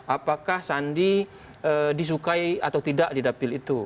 apakah sandi disukai atau tidak di dapil itu